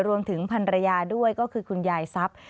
รวมถึงพันรยาด้วยก็คือคุณยายทรัพย์